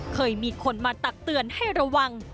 เคยมีคนมาตักเตือนให้ระวัง